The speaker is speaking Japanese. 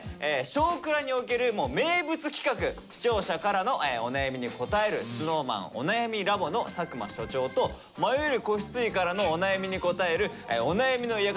「少クラ」における名物企画視聴者からのお悩みに答える「ＳｎｏｗＭａｎお悩み研究所」の佐久間所長と迷える子羊からのお悩みに答えるお悩みの館